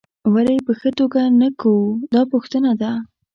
ولې یې په ښه توګه نه کوو دا پوښتنه ده.